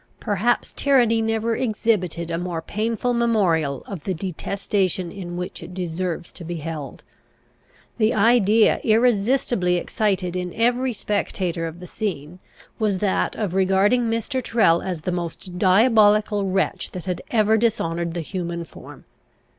Perhaps tyranny never exhibited a more painful memorial of the detestation in which it deserves to be held. The idea irresistibly excited in every spectator of the scene, was that of regarding Mr. Tyrrel as the most diabolical wretch that had ever dishonoured the human form.